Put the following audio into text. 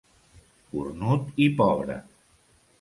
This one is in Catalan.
Cornut i pobre.